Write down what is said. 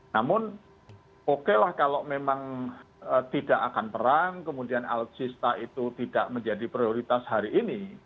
namun oke lah kalau memang tidak akan perang kemudian alutsista itu tidak menjadi prioritas hari ini